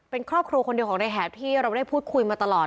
เป็นครอบครัวคนเดียวของในแหบที่เราได้พูดคุยมาตลอด